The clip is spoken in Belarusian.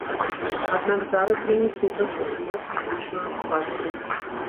Аднак зараз я не супраць атрымаць музычную адукацыю.